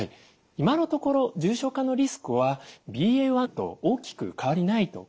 今のところ重症化のリスクはＢＡ．１と大きく変わりないと考えられています。